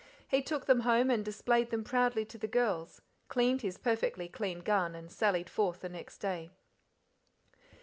He took them home and displayed them proudly to the girls, cleaned his perfectly clean gun, and sallied forth the next day.